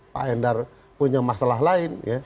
pak endar punya masalah lain